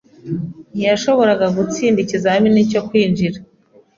Ntiyashoboraga gutsinda ikizamini cyo kwinjira.